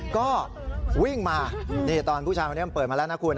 ก็วิ่งมานี่ตอนผู้ชายคนนี้มันเปิดมาแล้วนะคุณ